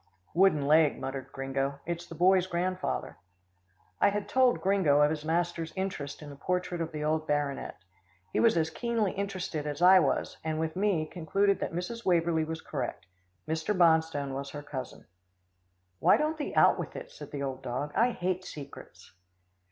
"Wooden leg," muttered Gringo. "It's the boy's grandfather." I had told Gringo of his master's interest in the portrait of the old baronet. He was as keenly interested as I was, and with me, concluded that Mrs. Waverlee was correct. Mr. Bonstone was her cousin. "Why don't they out with it?" said the old dog "I hate secrets."